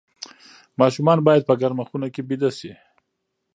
ماشومان باید په ګرمه خونه کې ویده شي.